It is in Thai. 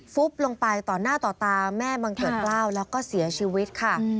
ฟุบลงไปต่อหน้าต่อตาแม่บังเกิดกล้าวแล้วก็เสียชีวิตค่ะ